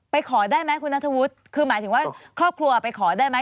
ขอได้ไหมคุณนัทวุฒิคือหมายถึงว่าครอบครัวไปขอได้ไหม